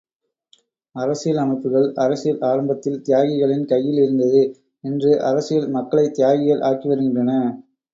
அரசியல் அமைப்புகள் அரசியல் ஆரம்பத்தில் தியாகிகளின் கையில் இருந்தது, இன்று அரசியல் மக்களைத் தியாகிகள் ஆக்கி வருகின்றன.